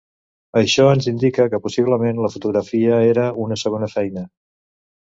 Això ens indica que possiblement la fotografia era una segona feina.